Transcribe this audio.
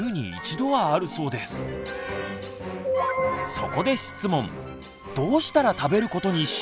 そこで質問。